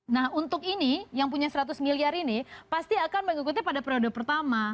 nah untuk ini yang punya seratus miliar ini pasti akan mengikuti pada periode pertama